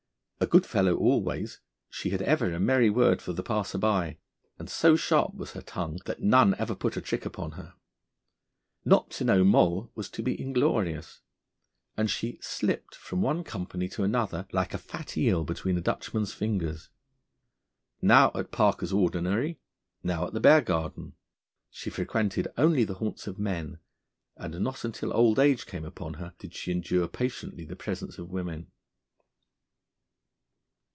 A good fellow always, she had ever a merry word for the passer by, and so sharp was her tongue that none ever put a trick upon her. Not to know Moll was to be inglorious, and she 'slipped from one company to another like a fat eel between a Dutchman's fingers.' Now at Parker's Ordinary, now at the Bear Garden, she frequented only the haunts of men, and not until old age came upon her did she endure patiently the presence of women.